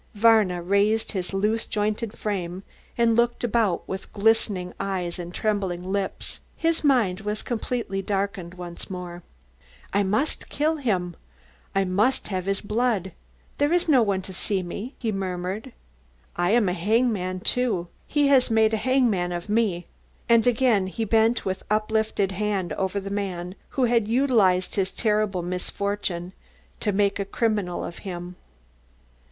Varna raised his loose jointed frame and looked about with glistening eyes and trembling lips. His mind was completely darkened once more. "I must kill him I must have his blood there is no one to see me," he murmured. "I am a hangman too he has made a hangman of me," and again he bent with uplifted hand over the man who had utilised his terrible misfortune to make a criminal of him.